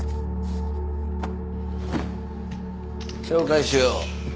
紹介しよう。